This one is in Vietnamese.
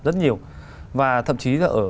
rất nhiều và thậm chí là ở